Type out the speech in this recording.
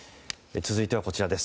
続いては、こちらです。